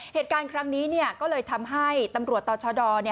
เหตุการณ์ครั้งนี้ก็เลยทำให้ตำรวจต่อชด